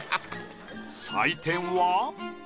採点は。